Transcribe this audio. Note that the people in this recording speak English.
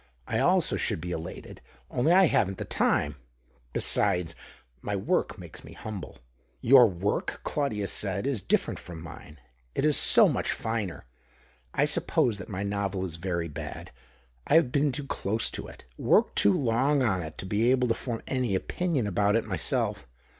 I also should be elated, only I haven't the time ; besides, my work makes me humble." " Your work," Claudius said, " is different from mine. It is so much finer. I suppose that my novel is very bad. I have been too close to it, worked too long on it, to be able to form any opinion about it myself.